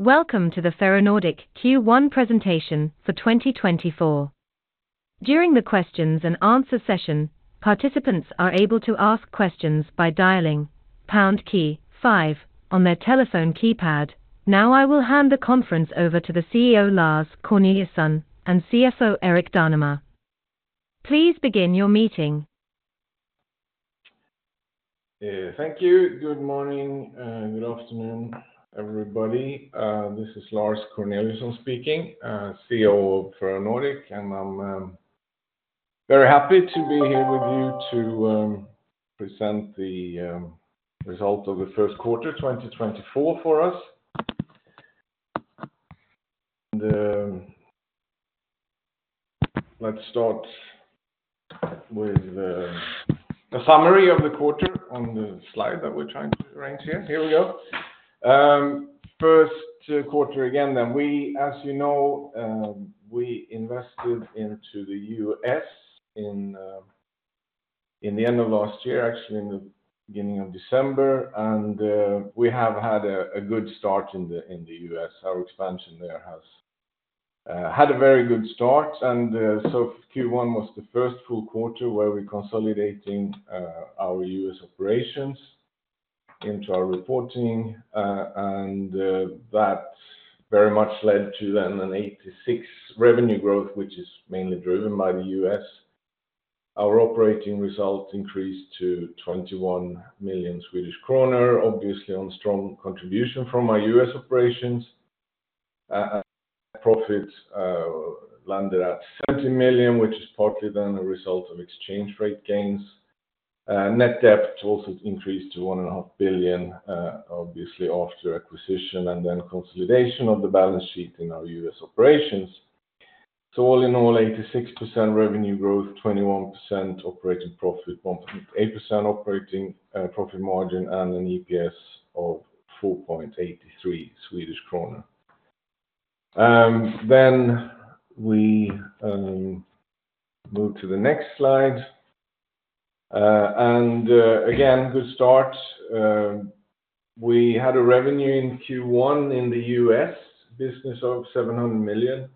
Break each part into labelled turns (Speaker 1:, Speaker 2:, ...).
Speaker 1: Welcome to the Ferronordic Q1 presentation for 2024. During the questions and answer session, participants are able to ask questions by dialing pound key five on their telephone keypad. Now, I will hand the conference over to the CEO, Lars Corneliusson, and CFO, Erik Danemar. Please begin your meeting.
Speaker 2: Thank you. Good morning, good afternoon, everybody. This is Lars Corneliusson speaking, CEO of Ferronordic, and I'm very happy to be here with you to present the result of the first quarter 2024 for us. And let's start with the summary of the quarter on the slide that we're trying to arrange here. Here we go. First quarter, again, as you know, we invested into the U.S. in the end of last year, actually in the beginning of December, and we have had a good start in the U.S. Our expansion there has had a very good start, and so Q1 was the first full quarter where we're consolidating our U.S. operations into our reporting. And that very much led to then an 86 revenue growth, which is mainly driven by the US. Our operating results increased to 21 million Swedish kronor, obviously on strong contribution from our US operations. Profit landed at 70 million, which is partly then a result of exchange rate gains. Net debt also increased to 1.5 billion, obviously, after acquisition and then consolidation of the balance sheet in our US operations. So all in all, 86% revenue growth, 21% operating profit, 1.8% operating profit margin, and an EPS of 4.83 SEK. Then we move to the next slide. And again, good start. We had a revenue in Q1 in the US business of $700 million,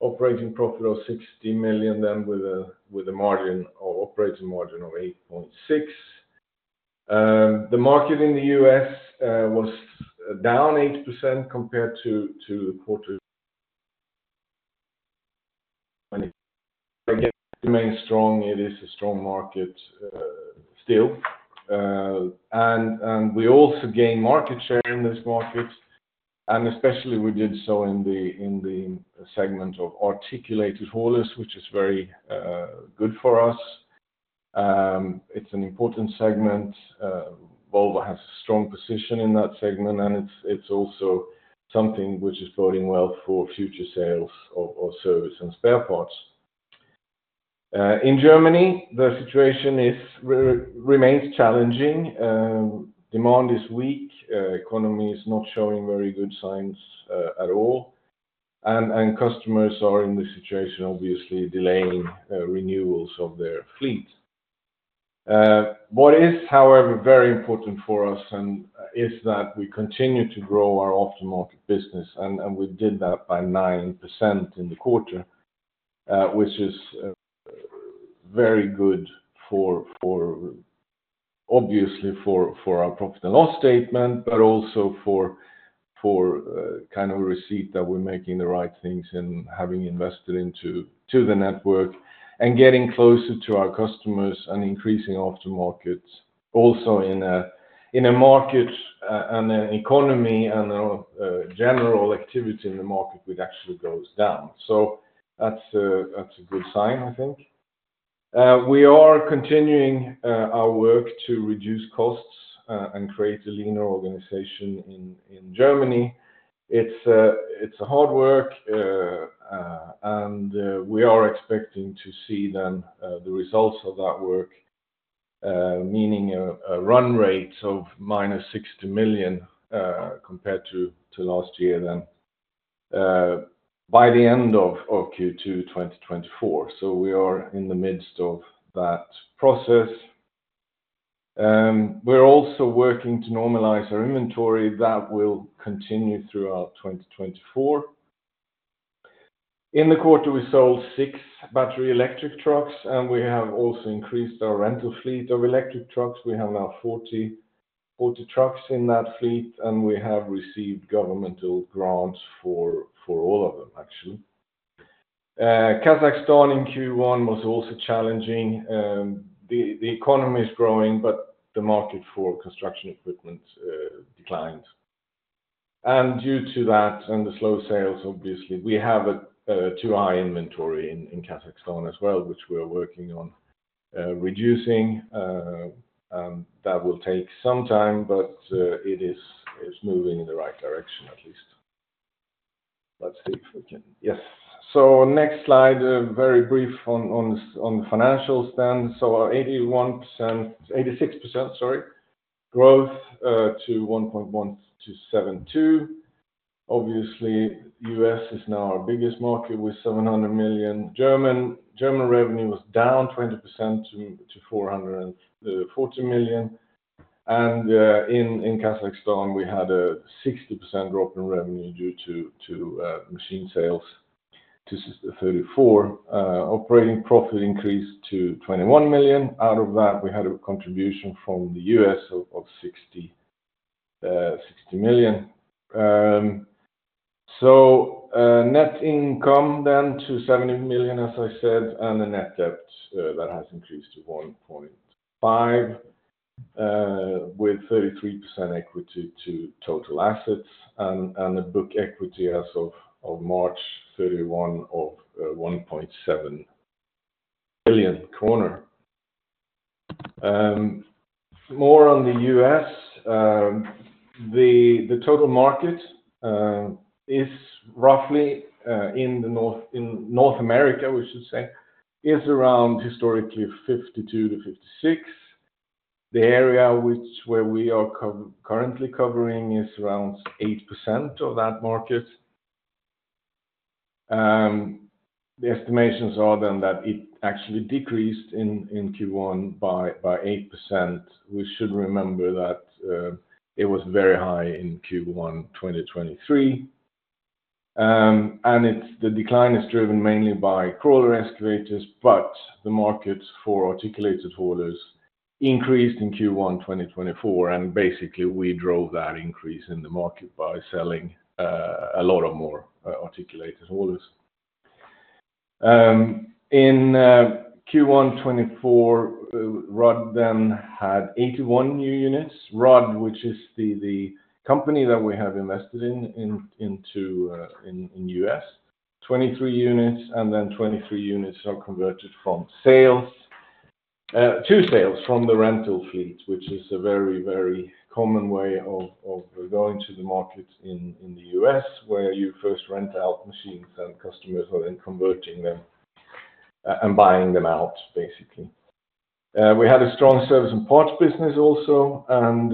Speaker 2: operating profit of $60 million then with a margin of, operating margin of 8.6%. The market in the US was down 80% compared to the quarter. Again, remains strong. It is a strong market, still. And we also gain market share in this market, and especially we did so in the segment of articulated haulers, which is very good for us. It's an important segment. Volvo has a strong position in that segment, and it's also something which is boding well for future sales of service and spare parts. In Germany, the situation remains challenging. Demand is weak, economy is not showing very good signs at all, and customers are in this situation, obviously delaying renewals of their fleet. What is, however, very important for us is that we continue to grow our aftermarket business, and we did that by 9% in the quarter, which is very good, obviously, for our profit and loss statement, but also for kind of a receipt that we're making the right things and having invested into the network, and getting closer to our customers, and increasing aftermarkets. Also in a market and an economy and a general activity in the market, which actually goes down. So that's a good sign, I think. We are continuing our work to reduce costs and create a leaner organization in Germany. It's a hard work, and we are expecting to see then the results of that work, meaning a run rate of -60 million compared to last year then by the end of Q2 2024. So we are in the midst of that process. We're also working to normalize our inventory. That will continue throughout 2024. In the quarter, we sold six battery electric trucks, and we have also increased our rental fleet of electric trucks. We have now 40, 40 trucks in that fleet, and we have received governmental grants for all of them, actually. Kazakhstan in Q1 was also challenging. The economy is growing, but the market for construction equipment declined. And due to that and the slow sales, obviously, we have a too high inventory in Kazakhstan as well, which we are working on reducing. And that will take some time, but it is moving in the right direction, at least. Let's see if we can. Yes. So next slide, very brief on the financials then. So our 86%, sorry, growth to 1,127.2 million. Obviously, the U.S. is now our biggest market with 700 million. German revenue was down 20% to 440 million. And in Kazakhstan, we had a 60% drop in revenue due to machine sales to 34 million. Operating profit increased to 21 million. Out of that, we had a contribution from the U.S. of 60 million. So, net income then to 70 million, as I said, and a net debt that has increased to 1.5 billion, with 33% equity to total assets and a book equity as of March 31 of 1.7 billion. More on the U.S., the total market is roughly in North America, we should say, around historically 52-56. The area where we are currently covering is around 8% of that market. The estimations are then that it actually decreased in Q1 by 8%. We should remember that it was very high in Q1 2023. It's the decline is driven mainly by crawler excavators, but the market for articulated haulers increased in Q1 2024, and basically, we drove that increase in the market by selling a lot more articulated haulers. In Q1 2024, Rudd had 81 new units. Rudd, which is the company that we have invested into in the U.S., 23 units, and then 23 units are converted from rental to sales from the rental fleet, which is a very common way of going to the market in the U.S., where you first rent out machines, and customers are then converting them and buying them out, basically. We had a strong service and parts business also, and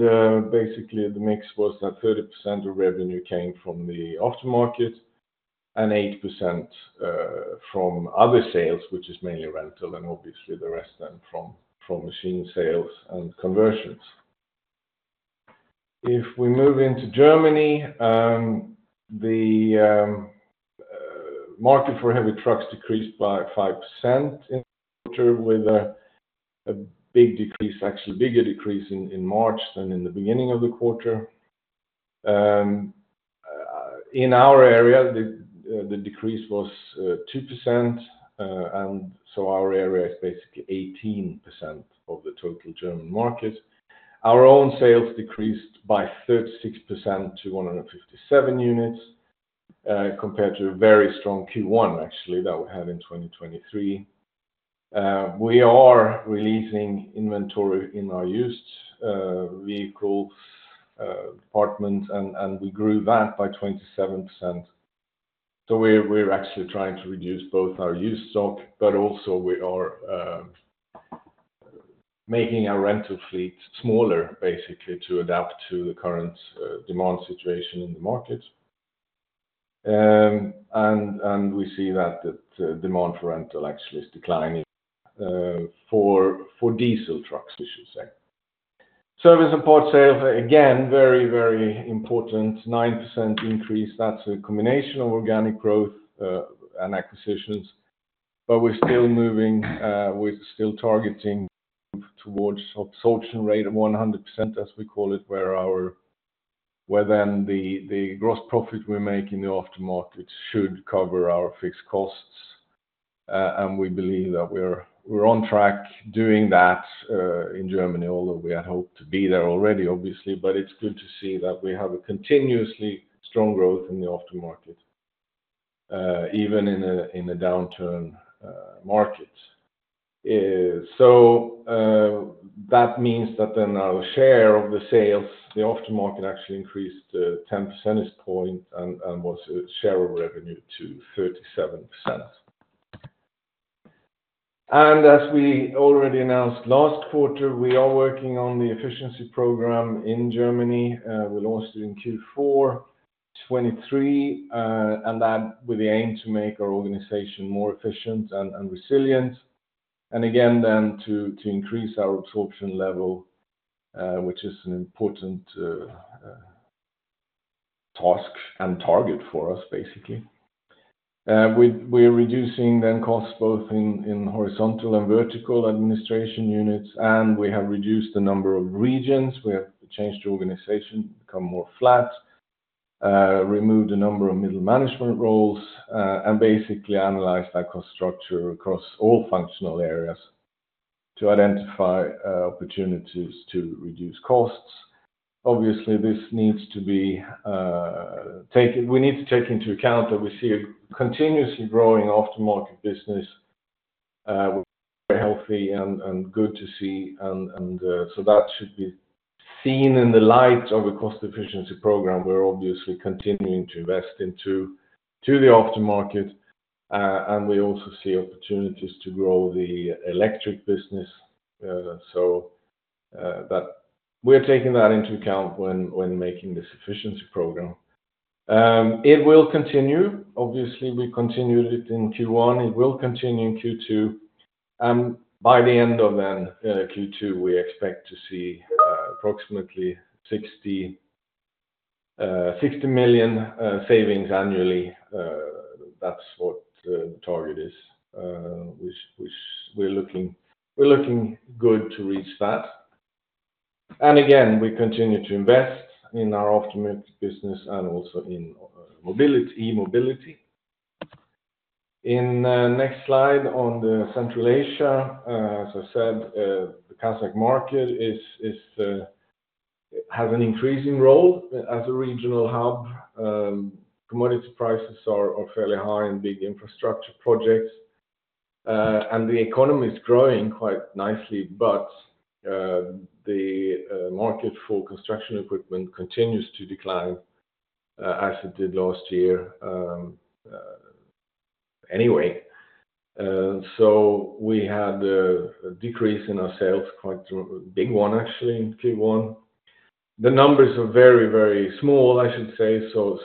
Speaker 2: basically, the mix was that 30% of revenue came from the aftermarket and 8% from other sales, which is mainly rental, and obviously the rest then from machine sales and conversions. If we move into Germany, the market for heavy trucks decreased by 5% in quarter, with a big decrease, actually bigger decrease in March than in the beginning of the quarter. In our area, the decrease was 2%, and so our area is basically 18% of the total German market. Our own sales decreased by 36% to 157 units compared to a very strong Q1, actually, that we had in 2023. We are releasing inventory in our used vehicle department, and we grew that by 27%. So we're actually trying to reduce both our used stock, but also we are making our rental fleet smaller, basically, to adapt to the current demand situation in the market. And we see that the demand for rental actually is declining for diesel trucks, we should say. Service and parts sales, again, very, very important, 9% increase. That's a combination of organic growth and acquisitions, but we're still moving, we're still targeting towards absorption rate of 100%, as we call it, where then the gross profit we make in the aftermarket should cover our fixed costs. And we believe that we're on track doing that in Germany, although we had hoped to be there already, obviously, but it's good to see that we have a continuously strong growth in the aftermarket, even in a downturn market. So, that means that then our share of the sales, the aftermarket actually increased 10 percentage points and was a share of revenue to 37%. And as we already announced last quarter, we are working on the efficiency program in Germany, we launched it in Q4 2023, and that with the aim to make our organization more efficient and resilient, and again, then to increase our absorption level, which is an important task and target for us, basically. We are reducing the costs both in horizontal and vertical administration units, and we have reduced the number of regions. We have changed the organization to become more flat, removed a number of middle management roles, and basically analyzed our cost structure across all functional areas to identify opportunities to reduce costs. Obviously, we need to take into account that we see a continuously growing aftermarket business, very healthy and so that should be seen in the light of a cost efficiency program. We're obviously continuing to invest into the aftermarket, and we also see opportunities to grow the electric business, so that we're taking that into account when making this efficiency program. It will continue. Obviously, we continued it in Q1. It will continue in Q2, and by the end of then Q2, we expect to see approximately 60 million savings annually. That's what the target is, which we're looking good to reach that. And again, we continue to invest in our aftermarket business and also in mobility, e-mobility. In the next slide on Central Asia, as I said, the Kazakh market has an increasing role as a regional hub. Commodities prices are fairly high in big infrastructure projects, and the economy is growing quite nicely, but the market for construction equipment continues to decline, as it did last year, anyway. So we had a decrease in our sales, quite a big one actually, in Q1. The numbers are very, very small, I should say. So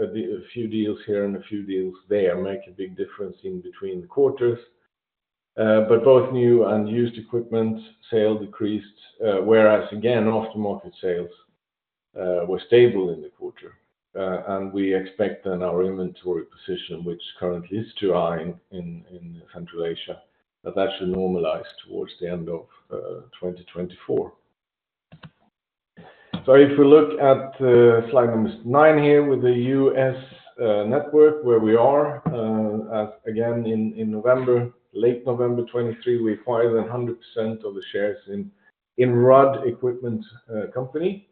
Speaker 2: a few deals here and a few deals there make a big difference in between the quarters. But both new and used equipment sale decreased, whereas, again, aftermarket sales were stable in the quarter. And we expect our inventory position, which currently is too high in Central Asia, that should normalize towards the end of 2024. So if we look at slide number nine here, with the U.S. network, where we are, as again, in late November 2023, we acquired 100% of the shares in Rudd Equipment Company.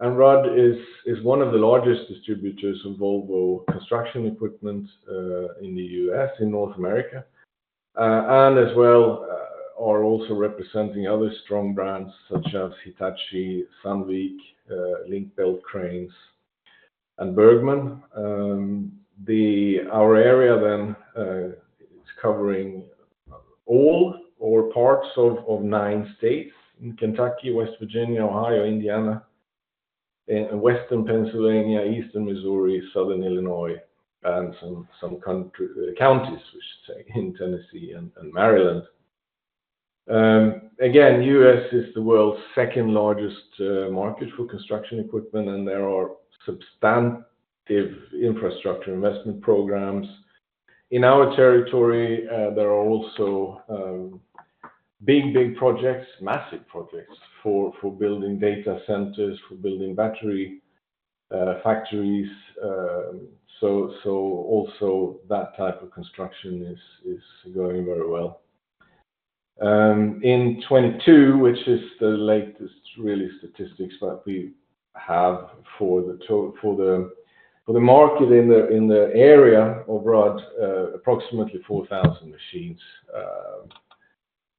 Speaker 2: And Rudd is one of the largest distributors of Volvo construction equipment in the U.S., in North America. And as well, are also representing other strong brands such as Hitachi, Sandvik, Link-Belt Cranes, and Bergmann. Our area then is covering all or parts of nine states in Kentucky, West Virginia, Ohio, Indiana, Western Pennsylvania, Eastern Missouri, Southern Illinois, and some counties, we should say, in Tennessee and Maryland. Again, U.S. is the world's second largest market for construction equipment, and there are substantive infrastructure investment programs. In our territory, there are also big projects, massive projects for building data centers, for building battery factories. So also that type of construction is going very well. In 2022, which is the latest really statistics that we have for the market in the area of Rudd, approximately 4,000 machines,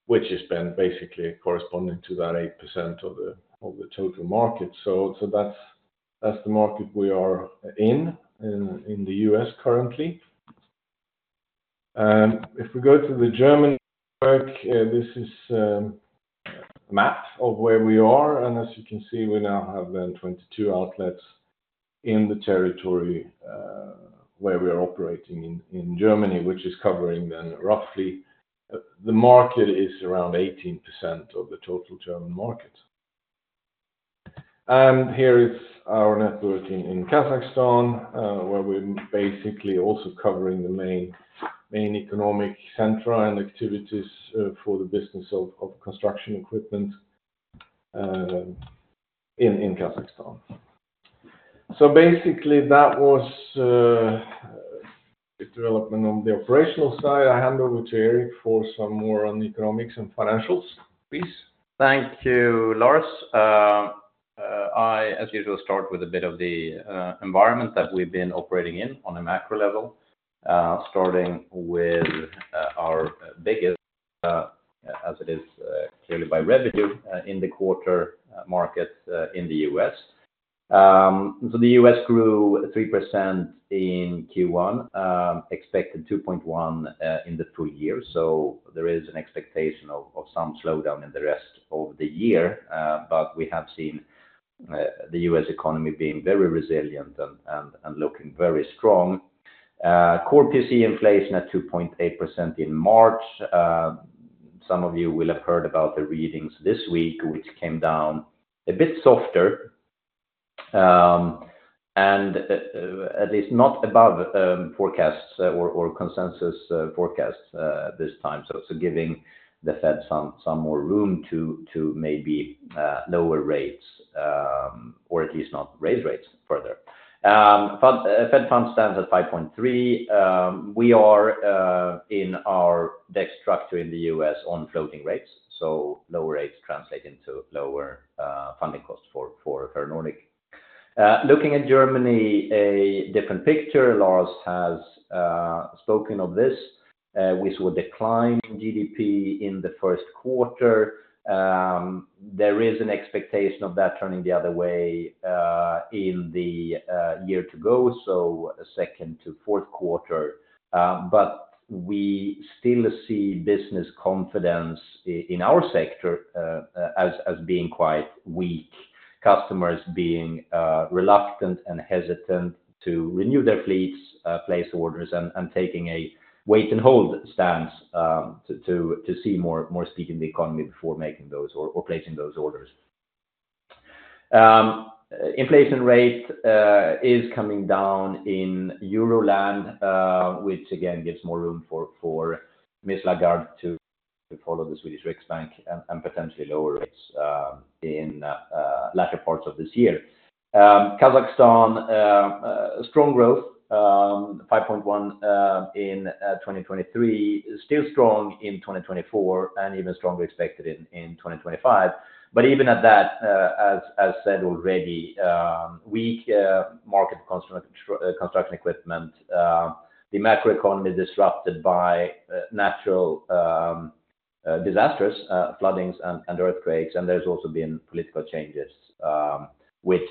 Speaker 2: which has been basically corresponding to that 8% of the total market. So that's the market we are in in the US currently. If we go to the German market, this is a map of where we are, and as you can see, we now have 22 outlets in the territory where we are operating in Germany, which is covering roughly the market is around 18% of the total German market. Here is our network in Kazakhstan, where we're basically also covering the main economic center and activities for the business of construction equipment in Kazakhstan. Basically, that was the development on the operational side. I hand over to Erik for some more on economics and financials, please.
Speaker 3: Thank you, Lars. I as usual start with a bit of the environment that we've been operating in on a macro level, starting with our biggest, as it is clearly by revenue, in the quarter market in the U.S. So the U.S. grew 3% in Q1, expected 2.1 in the full year. So there is an expectation of some slowdown in the rest of the year, but we have seen the U.S. economy being very resilient and looking very strong. Core PCE inflation at 2.8% in March. Some of you will have heard about the readings this week, which came down a bit softer, and at least not above forecasts or consensus forecasts this time. So giving the Fed some more room to maybe lower rates or at least not raise rates further. The Fed funds rate stands at 5.3. We are in our debt structure in the U.S. on floating rates, so lower rates translate into lower funding costs for Ferronordic. Looking at Germany, a different picture. Lars has spoken of this, we saw a decline in GDP in the first quarter. There is an expectation of that turning the other way in the year to go, so second to fourth quarter. But we still see business confidence in our sector as being quite weak. Customers being reluctant and hesitant to renew their fleets, place orders, and taking a wait and hold stance to see more steep in the economy before making those or placing those orders. Inflation rate is coming down in Euroland, which again gives more room for Ms. Lagarde to follow the Swedish Riksbank and potentially lower rates in latter parts of this year. Kazakhstan strong growth 5.1 in 2023, still strong in 2024 and even stronger expected in 2025. But even at that, as said already, weak construction equipment market, the macroeconomy disrupted by natural disastrous floodings and earthquakes. There's also been political changes, which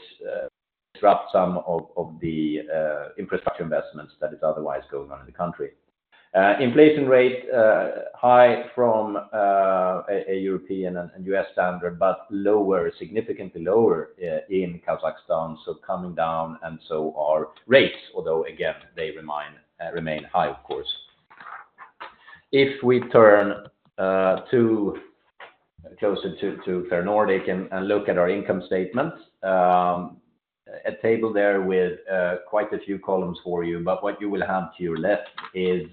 Speaker 3: disrupt some of the infrastructure investments that is otherwise going on in the country. Inflation rate high from a European and U.S. standard, but lower, significantly lower, in Kazakhstan. So coming down and so are rates, although again, they remain high, of course. If we turn to closer to Ferronordic and look at our income statements, a table there with quite a few columns for you, but what you will have to your left is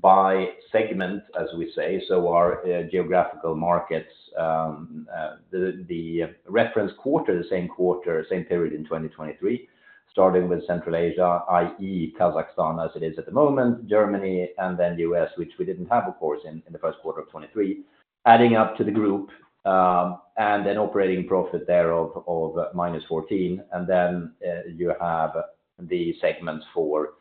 Speaker 3: by segment, as we say. So our geographical markets, the reference quarter, the same quarter, same period in 2023, starting with Central Asia, i.e., Kazakhstan, as it is at the moment, Germany, and then the US, which we didn't have, of course, in the first quarter of 2023, adding up to the group, and an operating profit there of -14. Then you have the segments for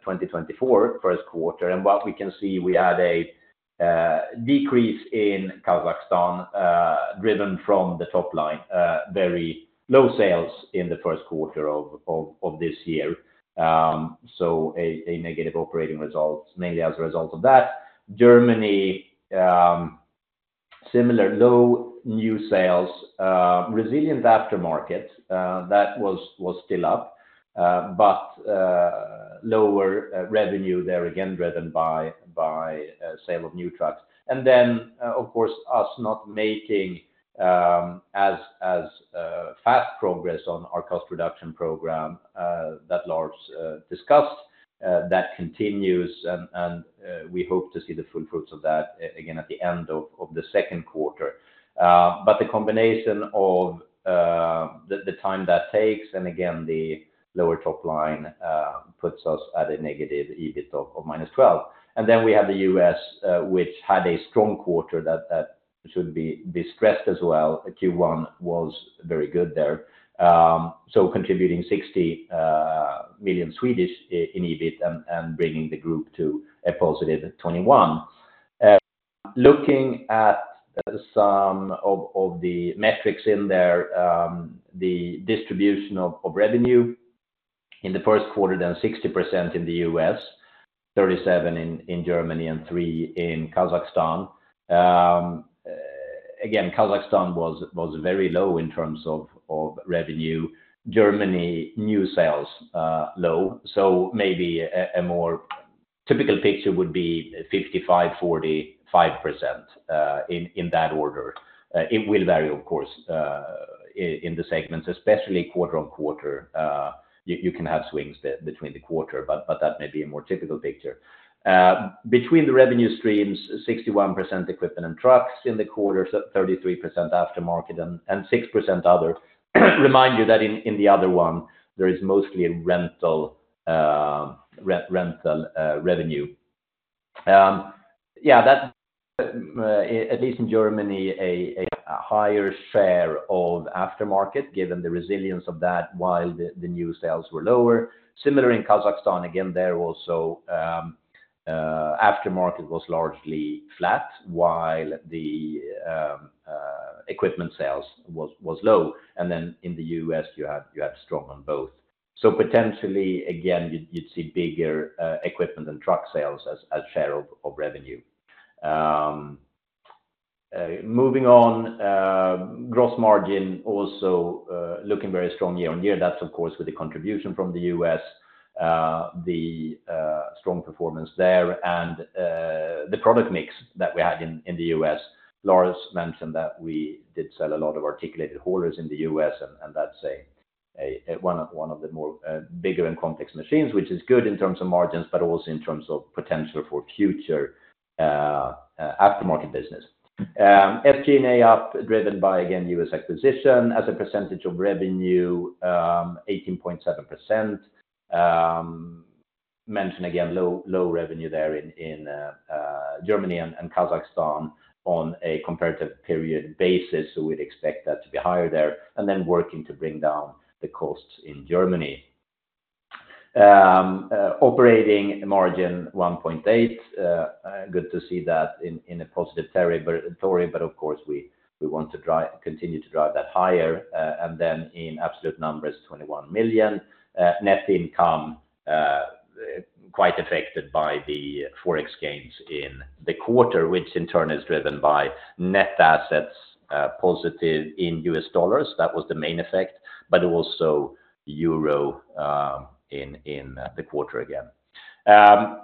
Speaker 3: 2024, first quarter. What we can see, we had a decrease in Kazakhstan, driven from the top line, very low sales in the first quarter of this year. So a negative operating results, mainly as a result of that. Germany, similar, low new sales, resilient aftermarket, that was still up, but lower revenue there, again, driven by sale of new trucks. And then, of course, us not making as fast progress on our cost reduction program, that Lars discussed, that continues, and we hope to see the full fruits of that again at the end of the second quarter. But the combination of the time that takes, and again, the lower top line, puts us at a negative EBIT of -12. And then we have the U.S., which had a strong quarter that should be distressed as well. Q1 was very good there. So contributing 60 million SEK in EBIT and bringing the group to a positive 21 million SEK. Looking at the sum of the metrics in there, the distribution of revenue in the first quarter was 60% in the U.S., 37% in Germany, and 3% in Kazakhstan. Again, Kazakhstan was very low in terms of revenue. Germany, new sales low, so maybe a more typical picture would be 55, 45% in that order. It will vary, of course, in the segments, especially quarter-on-quarter. You can have swings between quarters, but that may be a more typical picture. Between the revenue streams, 61% equipment and trucks in the quarter, so 33% aftermarket and 6% other. Remind you that in the other one, there is mostly a rental, re-rental, revenue. Yeah, that, at least in Germany, a higher share of aftermarket, given the resilience of that, while the new sales were lower. Similar in Kazakhstan, again, there also, aftermarket was largely flat while the equipment sales was low. And then in the U.S., you had strong on both. So potentially, again, you'd see bigger equipment and truck sales as share of revenue. Moving on, gross margin also looking very strong year on year. That's of course, with the contribution from the U.S., the strong performance there and the product mix that we had in the U.S. Lars mentioned that we did sell a lot of articulated haulers in the U.S., and that's one of the more bigger and complex machines, which is good in terms of margins, but also in terms of potential for future aftermarket business. FGNA up, driven by, again, U.S. acquisition. As a percentage of revenue, 18.7%. Mention again, low revenue there in Germany and Kazakhstan on a comparative period basis, so we'd expect that to be higher there, and then working to bring down the costs in Germany. Operating margin 1.8. Good to see that in a positive territory, but of course, we want to continue to drive that higher, and then in absolute numbers, 21 million. Net income, quite affected by the Forex gains in the quarter, which in turn is driven by net assets positive in U.S. dollars. That was the main effect, but also Euro in the quarter again.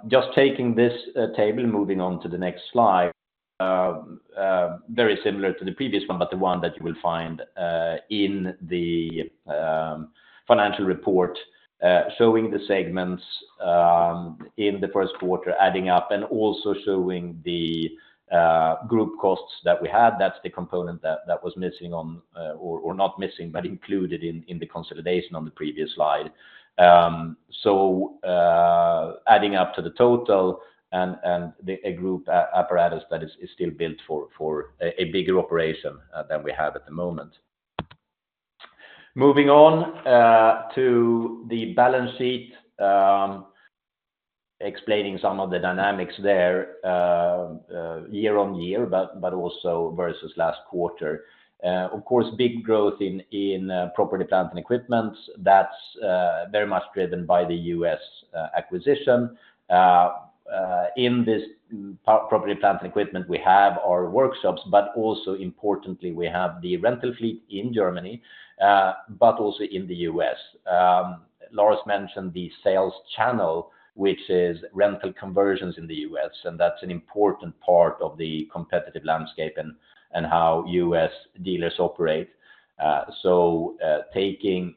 Speaker 3: Just taking this table and moving on to the next slide. Very similar to the previous one, but the one that you will find in the financial report, showing the segments in the first quarter, adding up and also showing the group costs that we had. That's the component that was missing, or not missing, but included in the consolidation on the previous slide. So, adding up to the total and the group apparatus that is still built for a bigger operation than we have at the moment. Moving on to the balance sheet, explaining some of the dynamics there, year-on-year, but also versus last quarter. Of course, big growth in property, plant, and equipment. That's very much driven by the U.S. acquisition. In this property, plant, and equipment, we have our workshops, but also importantly, we have the rental fleet in Germany, but also in the U.S. Lars mentioned the sales channel, which is rental conversions in the U.S., and that's an important part of the competitive landscape and how U.S. dealers operate. So, taking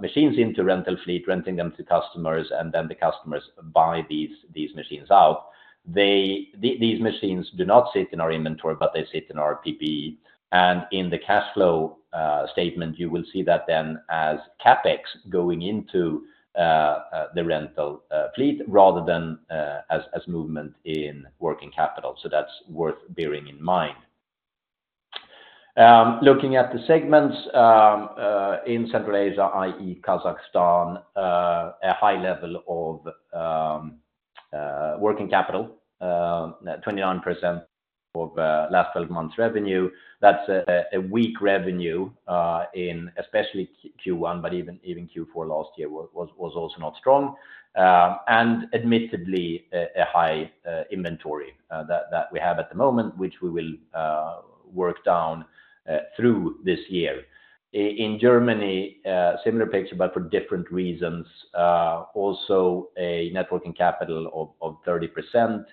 Speaker 3: machines into rental fleet, renting them to customers, and then the customers buy these machines out. These machines do not sit in our inventory, but they sit in our PPE. And in the cash flow statement, you will see that then as CapEx going into the rental fleet rather than as movement in working capital. So that's worth bearing in mind. Looking at the segments, in Central Asia, i.e., Kazakhstan, a high level of working capital, 29% of last twelve months revenue. That's a weak revenue in especially Q1, but even Q4 last year was also not strong. And admittedly, a high inventory that we have at the moment, which we will work down through this year. In Germany, similar picture, but for different reasons, also a net working capital of 30%.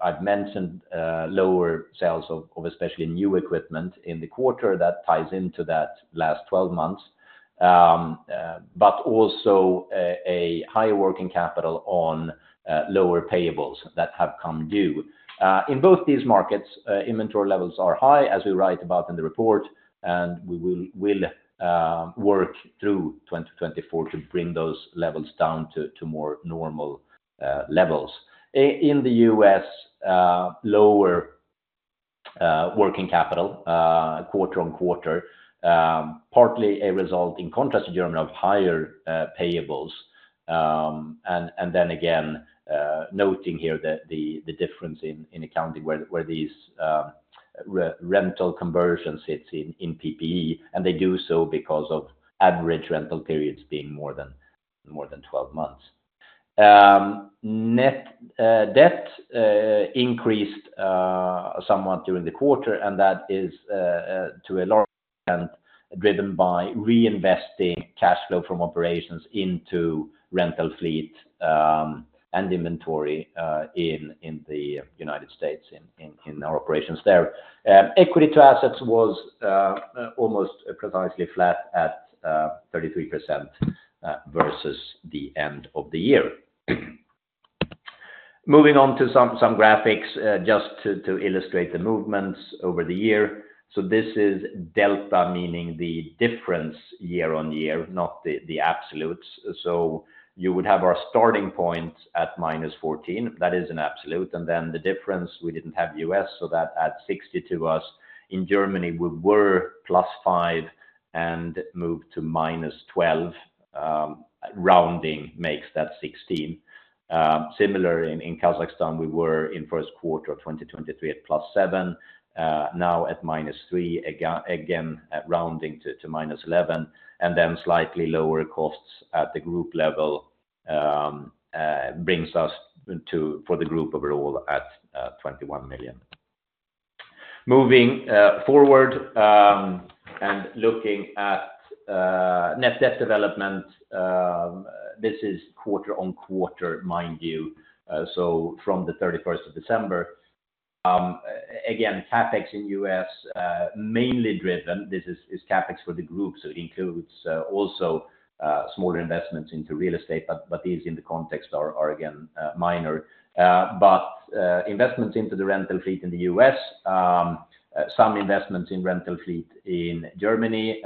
Speaker 3: I've mentioned lower sales of especially new equipment in the quarter that ties into that last twelve months. But also, a higher working capital on lower payables that have come due. In both these markets, inventory levels are high, as we write about in the report, and we will work through 2024 to bring those levels down to more normal levels. In the U.S., lower working capital quarter-on-quarter, partly a result, in contrast to Germany, of higher payables. And then again, noting here that the difference in accounting, where these rental conversions sits in PPE, and they do so because of average rental periods being more than 12 months. Net debt increased somewhat during the quarter, and that is to a large extent driven by reinvesting cash flow from operations into rental fleet and inventory in our operations there. Equity to assets was almost precisely flat at 33% versus the end of the year. Moving on to some graphics just to illustrate the movements over the year. So this is delta, meaning the difference year-on-year, not the absolutes. So you would have our starting point at minus fourteen. That is an absolute. Then the difference, we didn't have U.S., so that adds 60 million to us. In Germany, we were +5 million and moved to -12 million, rounding makes that 16 million. Similar in Kazakhstan, we were in first quarter of 2023 at +7 million, now at -3 million, again, rounding to -11 million, and then slightly lower costs at the group level brings us to SEK 21 million for the group overall. Moving forward and looking at net debt development, this is quarter-over-quarter, mind you, so from the 31st of December. Again, CapEx in U.S., mainly driven, this is CapEx for the group, so includes also smaller investments into real estate, but these in the context are again minor. But, investments into the rental fleet in the US, some investments in rental fleet in Germany,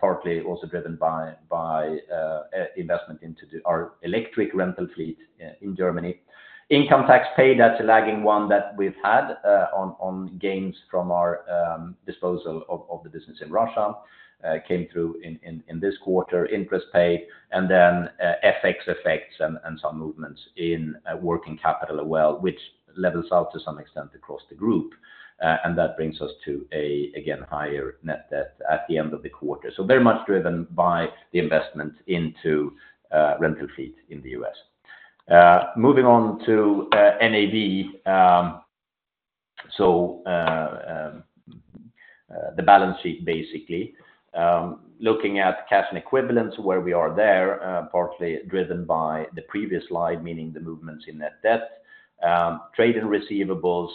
Speaker 3: partly also driven by, by, investment into the our electric rental fleet in Germany. Income tax paid, that's a lagging one that we've had, on gains from our disposal of the business in Russia, came through in this quarter, interest paid, and then, FX effects and some movements in working capital as well, which levels out to some extent across the group. And that brings us to a, again, higher net debt at the end of the quarter. So very much driven by the investment into rental fleet in the US. Moving on to NAV... So, the balance sheet basically, looking at cash and equivalents, where we are there, partly driven by the previous slide, meaning the movements in net debt. Trade and receivables,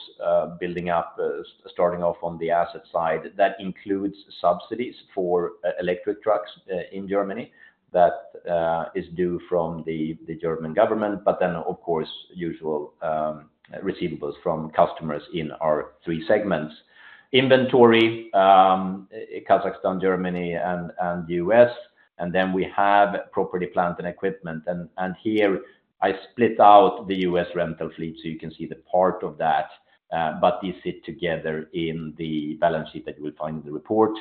Speaker 3: building up, starting off on the asset side, that includes subsidies for electric trucks in Germany. That is due from the German government, but then, of course, usual receivables from customers in our three segments. Inventory, Kazakhstan, Germany, and U.S., and then we have property, plant, and equipment. And here I split out the U.S. rental fleet, so you can see the part of that, but these sit together in the balance sheet that you will find in the report.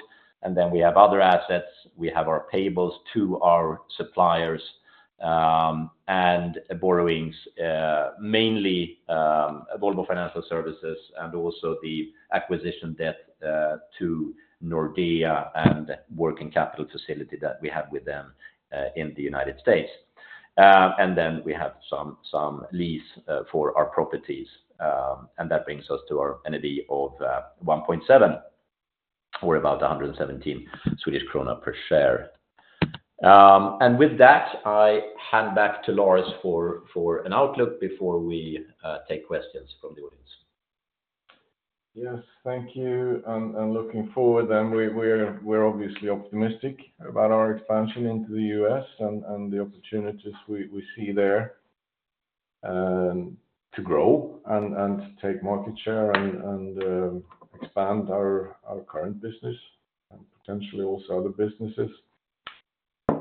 Speaker 3: And then we have other assets. We have our payables to our suppliers, and borrowings, mainly, Volvo Financial Services, and also the acquisition debt, to Nordea and working capital facility that we have with them, in the United States. And then we have some lease, for our properties, and that brings us to our equity of 1.7, or about 117 Swedish krona per share. And with that, I hand back to Lars for an outlook before we take questions from the audience.
Speaker 2: Yes, thank you, and looking forward, then we're obviously optimistic about our expansion into the U.S. and the opportunities we see there to grow and take market share and expand our current business and potentially also other businesses.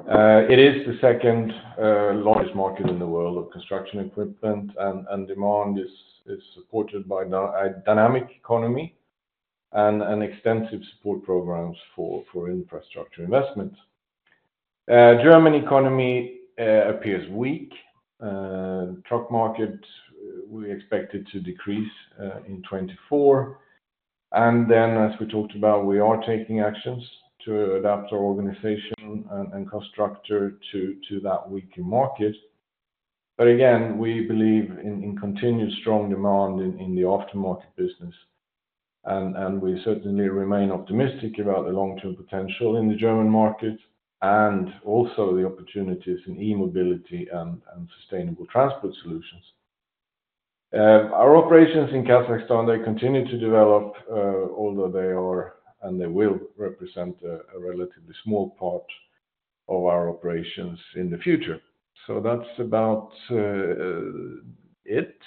Speaker 2: It is the second largest market in the world of construction equipment, and demand is supported by dynamic economy and an extensive support programs for infrastructure investment. German economy appears weak. Truck market, we expect it to decrease in 2024. Then, as we talked about, we are taking actions to adapt our organization and cost structure to that weaker market. But again, we believe in continued strong demand in the aftermarket business, and we certainly remain optimistic about the long-term potential in the German market, and also the opportunities in e-mobility and sustainable transport solutions. Our operations in Kazakhstan, they continue to develop, although they are, and they will represent a relatively small part of our operations in the future. So that's about it.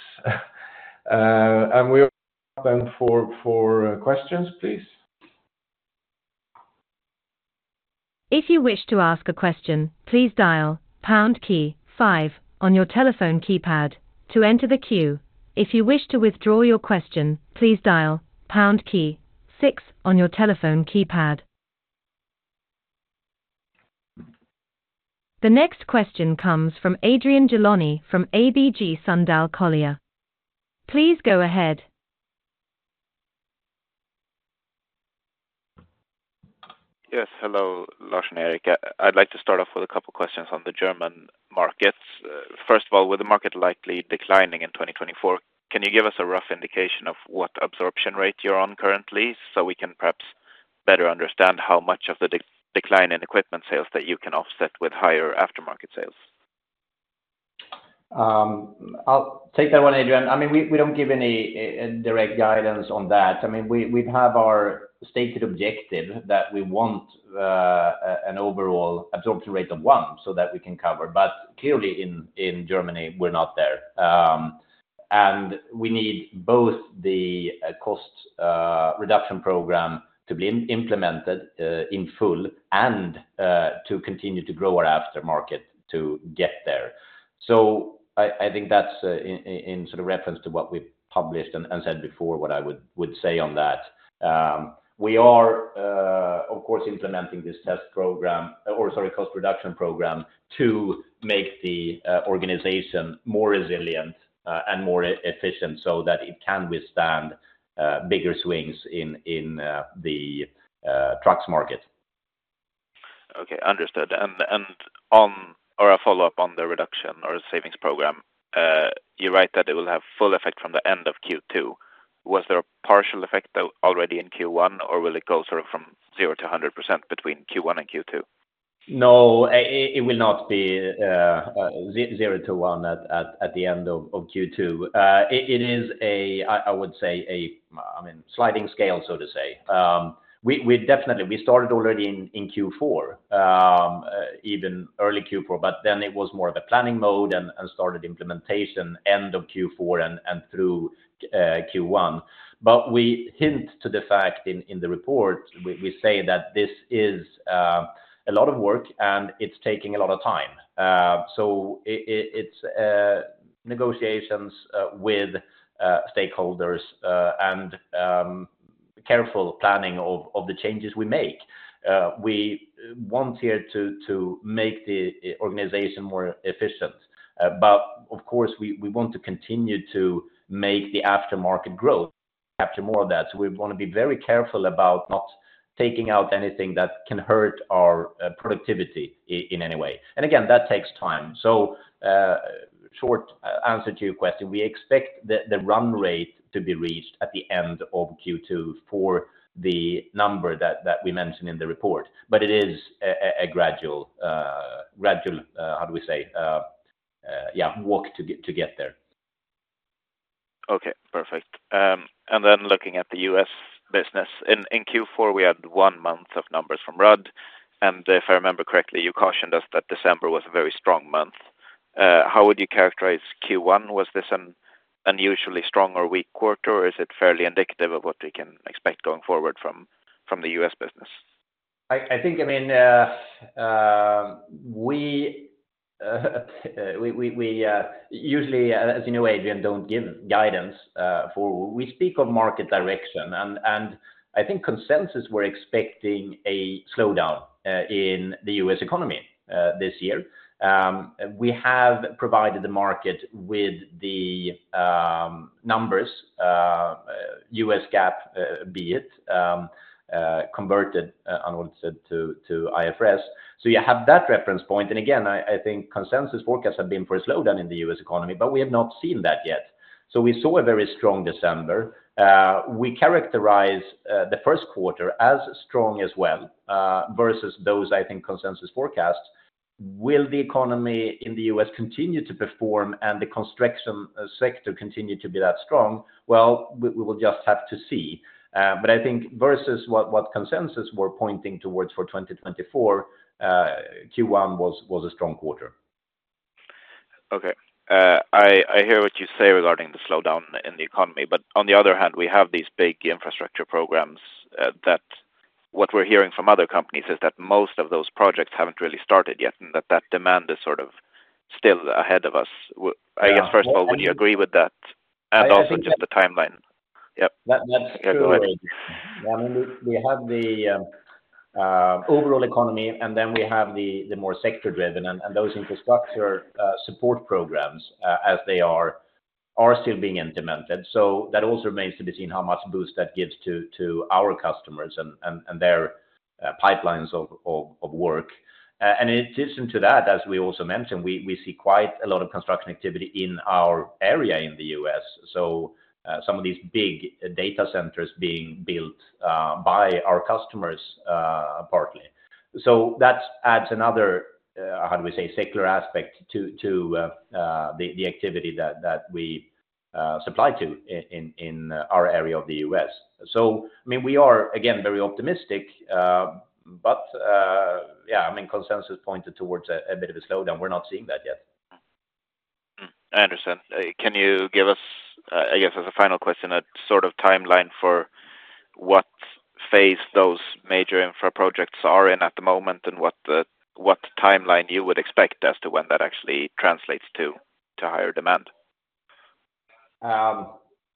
Speaker 2: And we are open for questions, please.
Speaker 1: If you wish to ask a question, please dial pound key five on your telephone keypad to enter the queue. If you wish to withdraw your question, please dial pound key six on your telephone keypad. The next question comes from Adrian Gilani from ABG Sundal Collier. Please go ahead.
Speaker 4: Yes, hello, Lars and Erik. I'd like to start off with a couple questions on the German markets. First of all, with the market likely declining in 2024, can you give us a rough indication of what absorption rate you're on currently? So we can perhaps better understand how much of the decline in equipment sales that you can offset with higher aftermarket sales.
Speaker 3: I'll take that one, Adrian. I mean, we don't give any direct guidance on that. I mean, we have our stated objective that we want an overall absorption rate of one so that we can cover, but clearly in Germany, we're not there. And we need both the cost reduction program to be implemented in full and to continue to grow our aftermarket to get there. So I think that's in sort of reference to what we've published and said before, what I would say on that. We are of course implementing this test program, or sorry, cost reduction program, to make the organization more resilient and more efficient so that it can withstand bigger swings in the trucks market.
Speaker 4: Okay, understood. And on... or a follow-up on the reduction or the savings program, you're right that it will have full effect from the end of Q2. Was there a partial effect, though, already in Q1, or will it go sort of from 0%-100% between Q1 and Q2?
Speaker 3: No, it will not be zero to one at the end of Q2. It is, I would say, I mean, a sliding scale, so to say. We definitely started already in Q4, even early Q4, but then it was more of a planning mode and started implementation end of Q4 and through Q1. But we hint to the fact in the report, we say that this is a lot of work, and it's taking a lot of time. So it's negotiations with stakeholders and careful planning of the changes we make. We want here to make the organization more efficient, but of course, we want to continue to make the aftermarket grow. capture more of that. So we want to be very careful about not taking out anything that can hurt our productivity in any way. And again, that takes time. So, short answer to your question, we expect the run rate to be reached at the end of Q2 for the number that we mentioned in the report, but it is a gradual work to get there.
Speaker 4: Okay, perfect. And then looking at the U.S. business. In Q4, we had one month of numbers from Rudd, and if I remember correctly, you cautioned us that December was a very strong month. How would you characterize Q1? Was this an unusually strong or weak quarter, or is it fairly indicative of what we can expect going forward from the U.S. business?
Speaker 3: I think, I mean, we usually, as you know, Adrian, don't give guidance for. We speak on market direction, and I think consensus, we're expecting a slowdown in the U.S. economy this year. We have provided the market with the numbers, U.S. GAAP, be it converted, unaudited to IFRS. So you have that reference point, and again, I think consensus forecasts have been for a slowdown in the U.S. economy, but we have not seen that yet. So we saw a very strong December. We characterize the first quarter as strong as well versus those, I think, consensus forecasts. Will the economy in the U.S. continue to perform and the construction sector continue to be that strong? Well, we will just have to see. I think versus what consensus we're pointing towards for 2024, Q1 was a strong quarter.
Speaker 4: Okay. I hear what you say regarding the slowdown in the economy, but on the other hand, we have these big infrastructure programs that what we're hearing from other companies is that most of those projects haven't really started yet, and that that demand is sort of still ahead of us.
Speaker 3: Yeah.
Speaker 4: I guess, first of all, would you agree with that? And also just the timeline. Yep.
Speaker 3: That, that's true.
Speaker 4: Yeah, go ahead.
Speaker 3: I mean, we have the overall economy, and then we have the more sector-driven, and those infrastructure support programs as they are still being implemented. So that also remains to be seen how much boost that gives to our customers and their pipelines of work. And in addition to that, as we also mentioned, we see quite a lot of construction activity in our area in the U.S. So some of these big data centers being built by our customers partly. So that adds another, how do we say, secular aspect to the activity that we supply to in our area of the U.S. I mean, we are again very optimistic, but yeah, I mean, consensus pointed towards a bit of a slowdown. We're not seeing that yet.
Speaker 4: Mm. Mm, I understand. Can you give us, I guess, as a final question, a sort of timeline for what phase those major infra projects are in at the moment, and what the, what timeline you would expect as to when that actually translates to, to higher demand?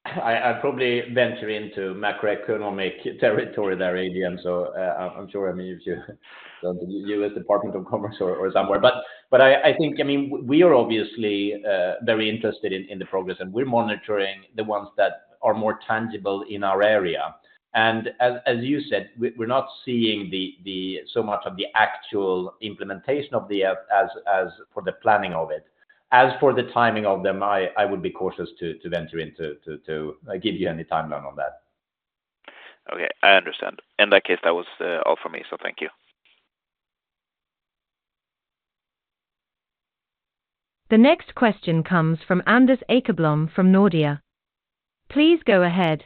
Speaker 3: I'd probably venture into macroeconomic territory there, Adrian, so I'm sure, I mean, if you the U.S. Department of Commerce or somewhere. But I think, I mean, we are obviously very interested in the progress, and we're monitoring the ones that are more tangible in our area. And as you said, we're not seeing so much of the actual implementation of the act as for the planning of it. As for the timing of them, I would be cautious to venture into, to give you any timeline on that.
Speaker 4: Okay, I understand. In that case, that was all for me, so thank you.
Speaker 1: The next question comes from Anders Åkerblom from Nordea. Please go ahead.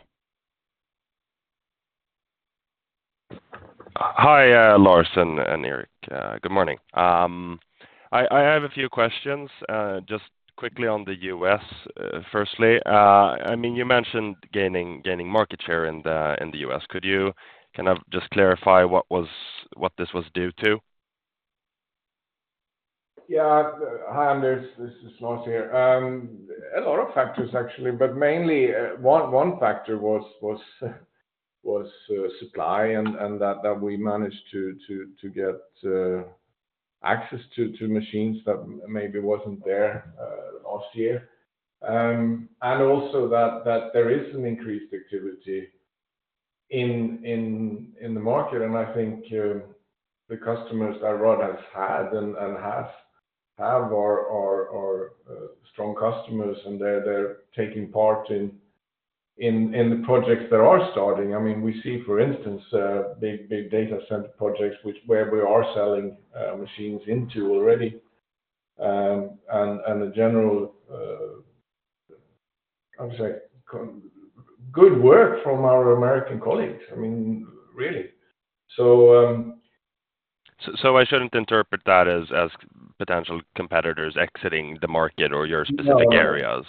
Speaker 5: Hi, Lars and Erik. Good morning. I have a few questions, just quickly on the US. Firstly, I mean, you mentioned gaining market share in the US. Could you kind of just clarify what this was due to?
Speaker 2: Yeah. Hi, Anders. This is Lars here. A lot of factors, actually, but mainly, one factor was supply, and that we managed to get access to machines that maybe wasn't there last year. And also that there is an increased activity in the market, and I think the customers that Rudd has had and has are strong customers, and they're taking part in the projects that are starting. I mean, we see, for instance, big data center projects where we are selling machines into already. And the general, how do you say, good work from our American colleagues. I mean, really. So,
Speaker 5: So, I shouldn't interpret that as potential competitors exiting the market or your specific areas?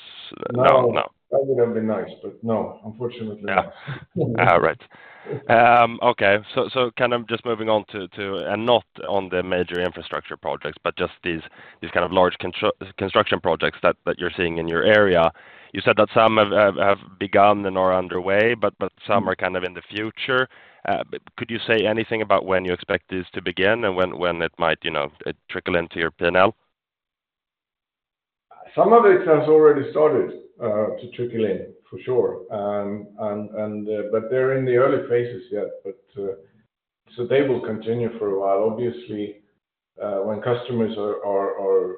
Speaker 2: No.
Speaker 5: No, no.
Speaker 2: That would have been nice, but no, unfortunately, no.
Speaker 5: Ah, right. Okay. So kind of just moving on to... and not on the major infrastructure projects, but just these kind of large construction projects that you're seeing in your area. You said that some have begun and are underway, but some are kind of in the future. But could you say anything about when you expect these to begin and when it might, you know, trickle into your P&L?...
Speaker 2: Some of it has already started to trickle in, for sure. But they're in the early phases yet, but so they will continue for a while. Obviously, when customers are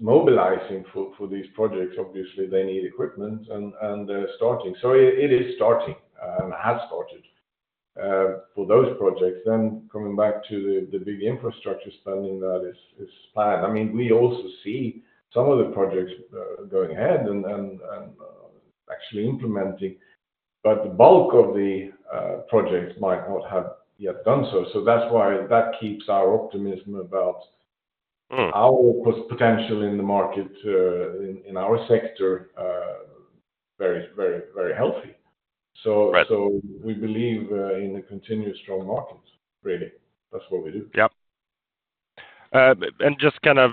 Speaker 2: mobilizing for these projects, obviously they need equipment and they're starting. So it is starting, has started for those projects. Then coming back to the big infrastructure spending that is planned. I mean, we also see some of the projects going ahead and actually implementing, but the bulk of the projects might not have yet done so. So that's why that keeps our optimism about-
Speaker 5: Mm
Speaker 2: Our potential in the market, in our sector, very, very, very healthy.
Speaker 5: Right.
Speaker 2: So we believe in a continuous strong market, really. That's what we do.
Speaker 5: Yep. And just kind of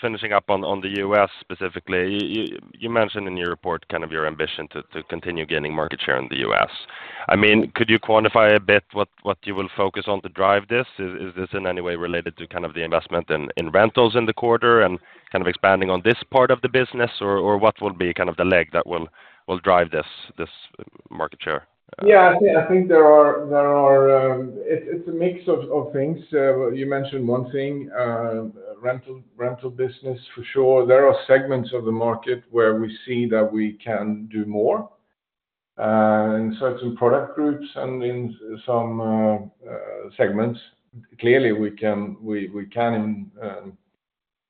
Speaker 5: finishing up on the U.S. specifically. You, you mentioned in your report kind of your ambition to, to continue gaining market share in the U.S. I mean, could you quantify a bit what, what you will focus on to drive this? Is, is this in any way related to kind of the investment in, in rentals in the quarter and kind of expanding on this part of the business? Or, or what will be kind of the leg that will, will drive this, this market share?
Speaker 2: Yeah, I think there are, it's a mix of things. You mentioned one thing, rental business for sure. There are segments of the market where we see that we can do more in certain product groups and in some segments. Clearly, we can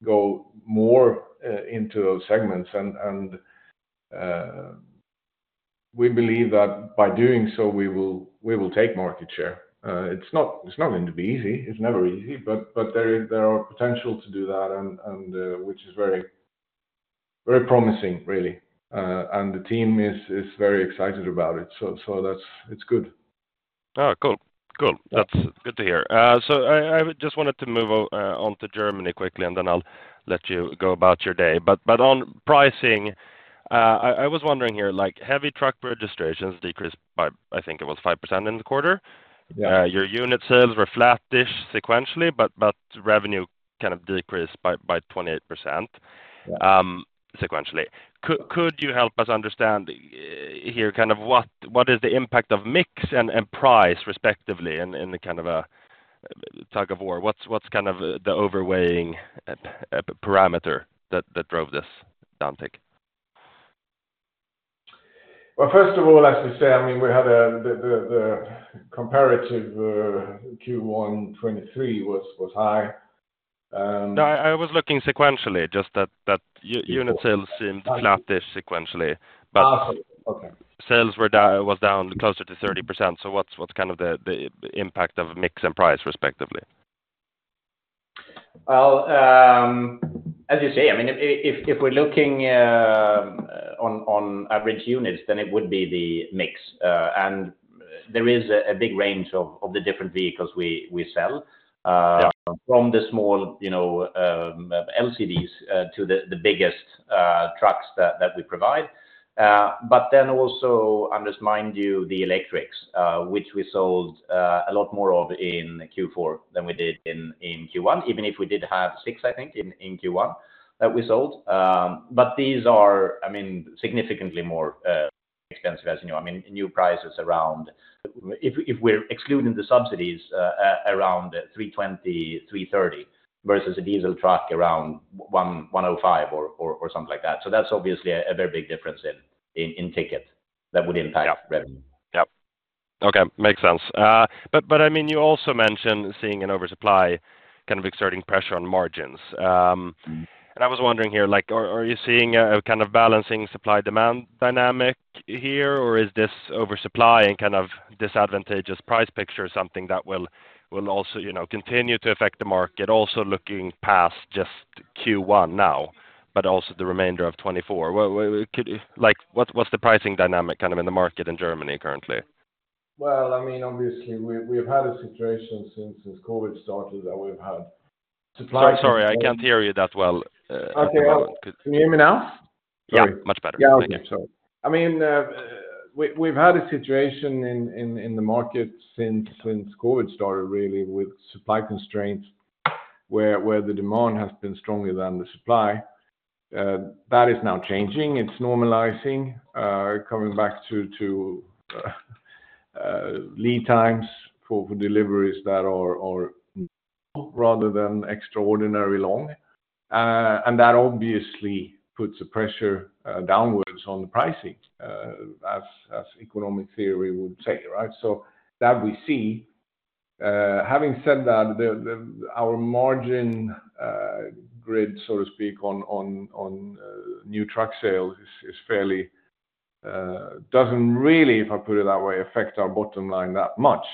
Speaker 2: go more into those segments, and we believe that by doing so, we will take market share. It's not going to be easy. It's never easy, but there is potential to do that, and which is very promising, really. And the team is very excited about it, so that's—it's good.
Speaker 5: Oh, cool. Cool. That's good to hear. So I just wanted to move on to Germany quickly, and then I'll let you go about your day. But on pricing, I was wondering here, like, heavy truck registrations decreased by, I think it was 5% in the quarter.
Speaker 2: Yeah.
Speaker 5: Your unit sales were flattish sequentially, but revenue kind of decreased by 28%.
Speaker 2: Yeah...
Speaker 5: sequentially. Could you help us understand here, kind of what is the impact of mix and price, respectively, in the kind of a tug of war? What's kind of the overweighing parameter that drove this downtick?
Speaker 2: Well, first of all, as you say, I mean, we had the comparative Q1 2023 was high.
Speaker 5: No, I was looking sequentially, just that.
Speaker 2: Okay...
Speaker 5: unit sales seemed flattish sequentially, but-
Speaker 2: Ah, okay.
Speaker 5: Sales were down closer to 30%. So what's kind of the impact of mix and price, respectively?
Speaker 2: Well, as you say, I mean, if we're looking on average units, then it would be the mix. There is a big range of the different vehicles we sell.
Speaker 5: Yeah...
Speaker 2: from the small, you know, LCVs, to the biggest trucks that we provide. But then also, I'll just mind you, the electrics, which we sold a lot more of in Q4 than we did in Q1, even if we did have 6, I think, in Q1, that we sold. But these are, I mean, significantly more expensive, as you know. I mean, new prices around... If we're excluding the subsidies, around $320-$330, versus a diesel truck around $105 or something like that. So that's obviously a very big difference in ticket that would impact-
Speaker 5: Yeah...
Speaker 2: revenue.
Speaker 5: Yeah. Okay, makes sense. But, I mean, you also mentioned seeing an oversupply kind of exerting pressure on margins. And I was wondering here, like, are you seeing a kind of balancing supply-demand dynamic here? Or is this oversupply and kind of disadvantageous price picture something that will also, you know, continue to affect the market, also looking past just Q1 now, but also the remainder of 2024? Could you-- Like, what's the pricing dynamic kind of in the market in Germany currently?
Speaker 2: Well, I mean, obviously, we've had a situation since COVID started, that we've had supply-
Speaker 5: Sorry, I can't hear you that well.
Speaker 2: Okay, well,
Speaker 5: could-
Speaker 2: Can you hear me now?
Speaker 5: Yeah, much better.
Speaker 2: Yeah, okay.
Speaker 5: Thank you.
Speaker 2: I mean, we've had a situation in the market since COVID started, really, with supply constraints, where the demand has been stronger than the supply. That is now changing. It's normalizing, coming back to lead times for deliveries that are rather than extraordinarily long. And that obviously puts a pressure downwards on the pricing, as economic theory would say, right? So that we see. Having said that, our margin grid, so to speak, on new truck sales is fairly, doesn't really, if I put it that way, affect our bottom line that much.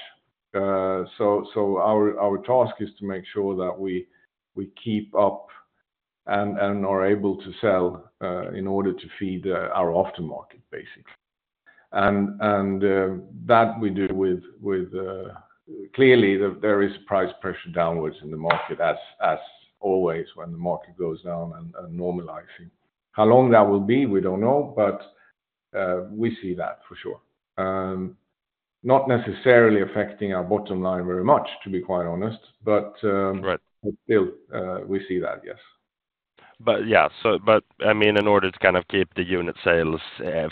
Speaker 2: So our task is to make sure that we keep up and are able to sell in order to feed our aftermarket, basically. Clearly, there is price pressure downwards in the market, as always, when the market goes down... normalizing. How long that will be, we don't know, but we see that for sure. Not necessarily affecting our bottom line very much, to be quite honest, but
Speaker 5: Right
Speaker 2: But still, we see that, yes.
Speaker 5: I mean, in order to kind of keep the unit sales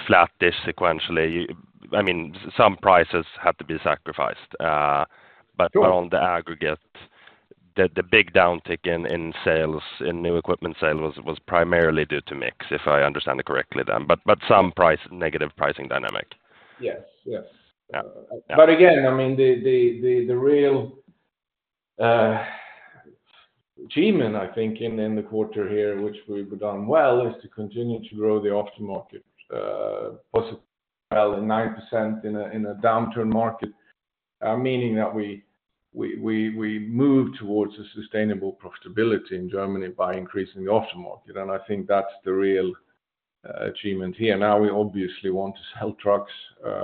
Speaker 5: flat-ish sequentially, I mean, some prices have to be sacrificed.
Speaker 2: Sure.
Speaker 5: But on the aggregate, the big downtick in sales, in new equipment sales was primarily due to mix, if I understand it correctly then, but some price, negative pricing dynamic.
Speaker 2: Yes. Yes.
Speaker 5: Yeah.
Speaker 2: But again, I mean, the real achievement, I think, in the quarter here, which we've done well, is to continue to grow the aftermarket, well, 9% in a downturn market, meaning that we move towards a sustainable profitability in Germany by increasing the aftermarket, and I think that's the real achievement here. Now, we obviously want to sell trucks,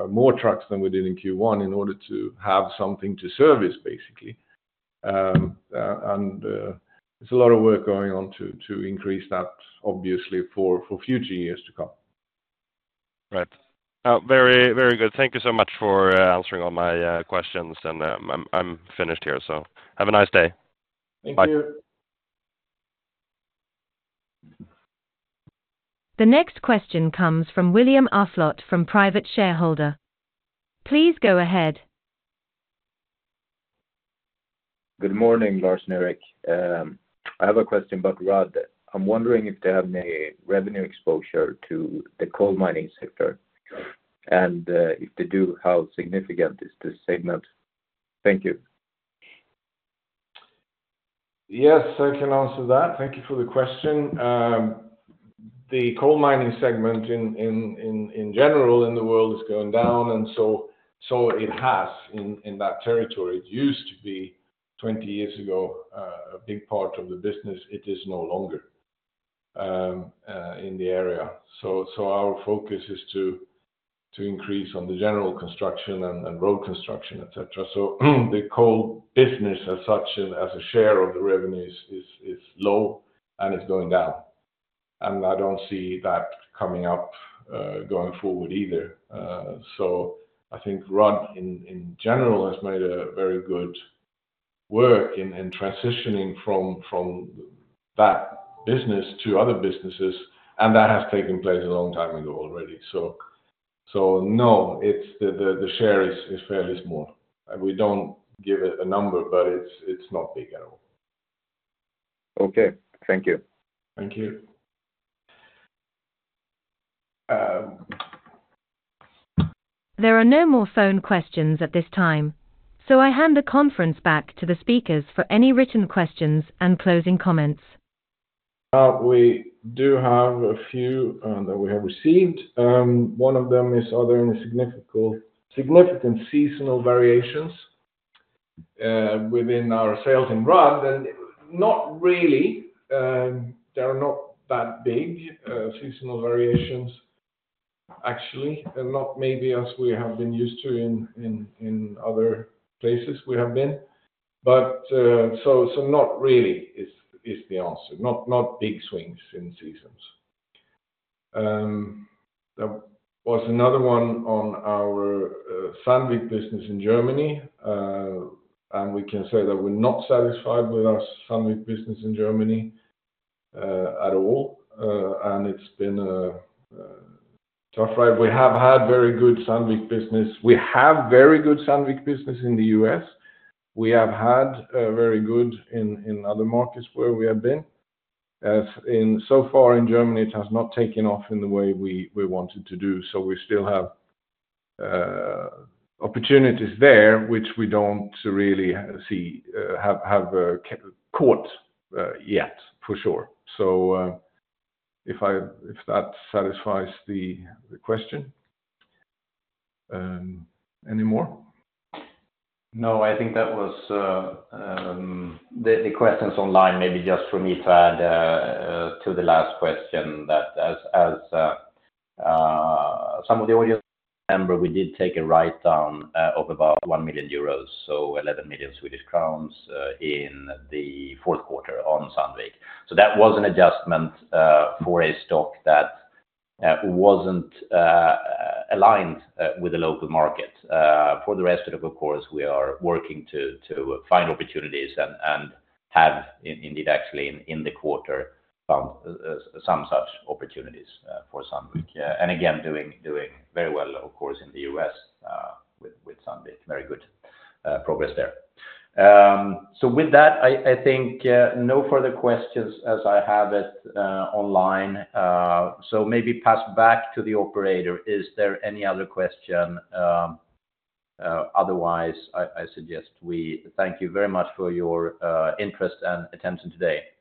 Speaker 2: more trucks than we did in Q1, in order to have something to service, basically. And there's a lot of work going on to increase that, obviously, for future years to come.
Speaker 5: Right. Very, very good. Thank you so much for answering all my questions, and I'm finished here, so have a nice day.
Speaker 2: Thank you.
Speaker 5: Bye.
Speaker 1: The next question comes from William Oflot from Private Shareholder. Please go ahead.
Speaker 6: Good morning, Lars and Erik. I have a question about Rudd. I'm wondering if they have any revenue exposure to the coal mining sector, and, if they do, how significant is this segment? Thank you.
Speaker 2: Yes, I can answer that. Thank you for the question. The coal mining segment in general in the world is going down, and so it has in that territory. It used to be, 20 years ago, a big part of the business, it is no longer in the area. So our focus is to increase on the general construction and road construction, et cetera. So the coal business, as such, as a share of the revenues, is low, and it's going down. And I don't see that coming up going forward either. So I think Rudd, in general, has made a very good work in transitioning from that business to other businesses, and that has taken place a long time ago already. So no, it's the share is fairly small. And we don't give it a number, but it's not big at all.
Speaker 6: Okay. Thank you.
Speaker 2: Thank you.
Speaker 1: There are no more phone questions at this time, so I hand the conference back to the speakers for any written questions and closing comments.
Speaker 2: We do have a few that we have received. One of them is: Are there any significant, significant seasonal variations within our sales in RUD? And not really, they are not that big seasonal variations, actually, and not maybe as we have been used to in other places we have been. But so not really is the answer. Not big swings in seasons. There was another one on our Sandvik business in Germany, and we can say that we're not satisfied with our Sandvik business in Germany at all. And it's been a tough ride. We have had very good Sandvik business. We have very good Sandvik business in the U.S. We have had very good in other markets where we have been. As in, so far in Germany, it has not taken off in the way we wanted to do, so we still have opportunities there, which we don't really see have caught yet, for sure. So, if that satisfies the question. Any more?
Speaker 3: No, I think that was the questions online. Maybe just for me to add to the last question, that as some of the audience remember, we did take a write-down of about 1 million euros, so 11 million Swedish crowns, in the fourth quarter on Sandvik. So that was an adjustment for a stock that wasn't aligned with the local market. For the rest of it, of course, we are working to find opportunities and have indeed actually in the quarter found some such opportunities for Sandvik. And again, doing very well, of course, in the U.S. with Sandvik. Very good progress there. So with that, I think no further questions as I have it online. So maybe pass back to the operator, is there any other question? Otherwise, I suggest we thank you very much for your interest and attention today.